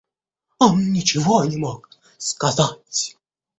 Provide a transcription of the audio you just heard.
Он ничего не мог сказать.